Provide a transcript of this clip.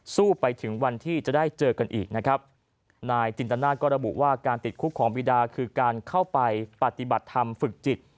สู้ไปถึงวันที่จะได้เจอกันอีกนะครับนายจินตนาศก็ระบุว่าการติดคุกของบีดาคือการเข้าไปปฏิบัติธรรมฝึกจิต